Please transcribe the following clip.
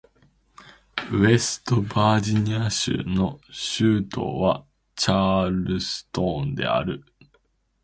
ウェストバージニア州の州都はチャールストンである